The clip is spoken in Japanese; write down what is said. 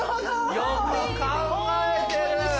よく考えてる。